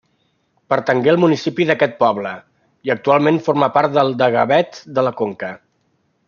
Pertangué al municipi d'aquest poble, i actualment forma part del de Gavet de la Conca.